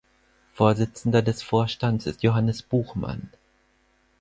Vorsitzender des Vorstands ist Johannes Buchmann.